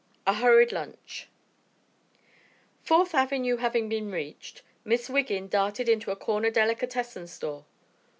A HURRIED LUNCH Fourth Avenue having been reached, Miss Wiggin darted into a corner delicatessen store.